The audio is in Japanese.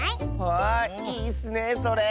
わいいッスねそれ。